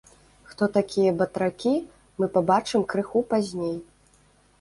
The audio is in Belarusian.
Хто такія батракі, мы пабачым крыху пазней.